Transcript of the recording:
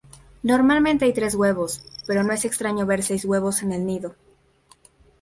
Normalmente hay tres huevos pero no es extraño ver seis huevos en el nido.